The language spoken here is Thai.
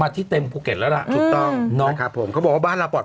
ติดต่อติดต่อ